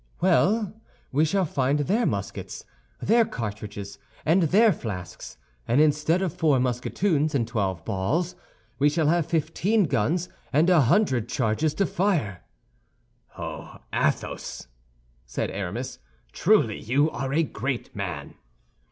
"Well, we shall find their muskets, their cartridges, and their flasks; and instead of four musketoons and twelve balls, we shall have fifteen guns and a hundred charges to fire." "Oh, Athos!" said Aramis, "truly you are a great man."